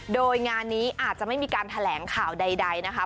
โดยงานนี้อาจจะไม่มีการแถลงข่าวใดนะคะ